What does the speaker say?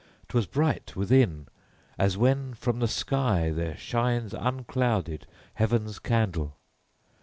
'Twas bright within as when from the sky there shines unclouded heaven's candle.